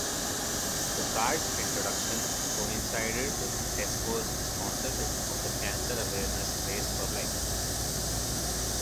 The cart's introduction coincided with Tesco's sponsorship of the cancer awareness Race for Life.